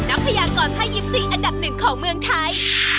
นักพยากรพยิปซีอันดับหนึ่งของเมืองไทย